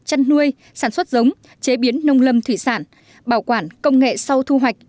chăn nuôi sản xuất giống chế biến nông lâm thủy sản bảo quản công nghệ sau thu hoạch